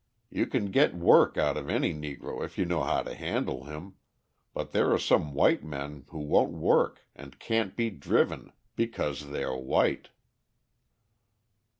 You can get work out of any Negro if you know how to handle him; but there are some white men who won't work and can't be driven, because they are white."